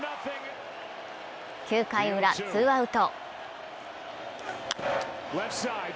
９回ウラ、ツーアウト。